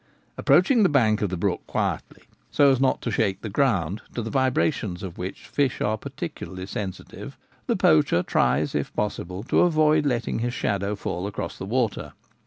Approaching the bank of the brook quietly, so as not to shake the ground, to the vibrations of which fish are peculiarly sensitive, the poacher tries if possible to avoid letting his shadow fall across the water.